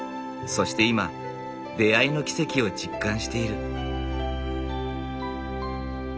そして今出会いの奇跡を実感している。